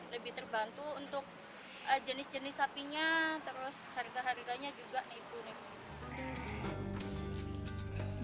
lebih terbantu untuk jenis jenis sapinya terus harga harganya juga nih